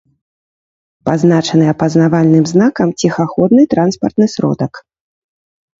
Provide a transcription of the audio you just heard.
Пазначаны апазнавальным знакам “Ціхаходны транспартны сродак”